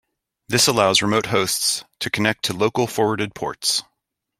This allows remote hosts to connect to local forwarded ports.